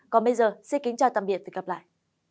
còn bây giờ xin kính chào tạm biệt và hẹn gặp lại